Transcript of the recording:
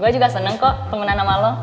gue juga seneng kok temenan sama lo